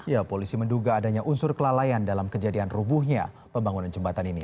ya polisi menduga adanya unsur kelalaian dalam kejadian rubuhnya pembangunan jembatan ini